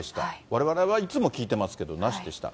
われわれはいつも聞いてますけれども、なしでした。